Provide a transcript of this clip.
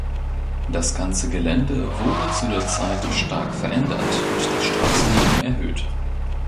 Das ganze Gelände wurde zu der Zeit stark verändert und das Straßenniveau erhöht.